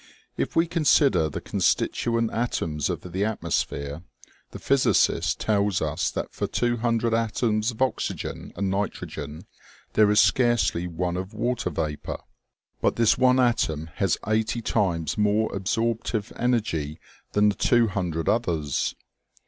If we consider the constituent atoms of the atmosphere, the physicist tells us that for two hundred atoms of oxygen and nitrogen there is scarcely one of water vapor ; but this one atom has eighty times more absorptive energy than the two hundred others.